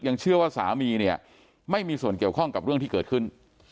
เชื่อว่าสามีเนี่ยไม่มีส่วนเกี่ยวข้องกับเรื่องที่เกิดขึ้น